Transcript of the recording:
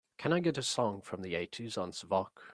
Can i get a song from the eighties on Zvooq